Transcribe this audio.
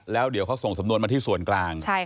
แล้วเดี๋ยวเขาส่งสำนวนมาที่ส่วนกลาง